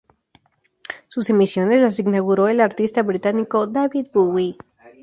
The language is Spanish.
Sus emisiones las inauguró el artista británico David Bowie.